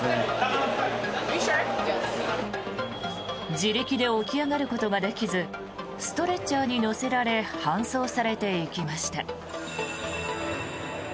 自力で起き上がることができずストレッチャーに乗せられ搬送されていきました。